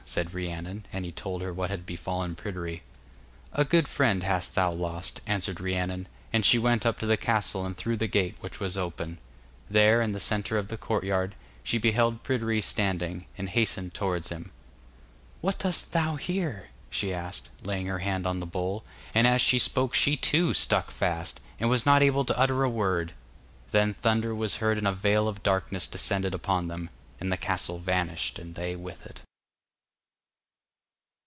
said Rhiannon, and he told her what had befallen Pryderi. 'A good friend hast thou lost,' answered Rhiannon, and she went up to the castle and through the gate, which was open. There, in the centre of the courtyard, she beheld Pryderi standing, and hastened towards him. 'What dost thou here?' she asked, laying her hand on the bowl, and as she spoke she too stuck fast, and was not able to utter a word. Then thunder was heard and a veil of darkness descended upon them, and the castle vanished and they with it.